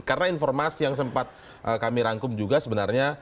karena informasi yang sempat kami rangkum juga sebenarnya